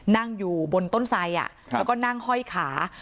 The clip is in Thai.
นั่งอยู่บนต้นใส่อ่ะครับแล้วก็นั่งห้อยขา